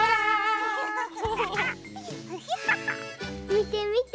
みてみて。